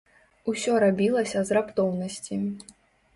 Усё рабілася з раптоўнасці.